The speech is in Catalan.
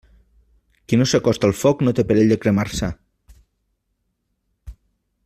Qui no s'acosta al foc no té perill de cremar-se.